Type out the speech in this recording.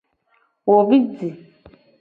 Wo bi ji.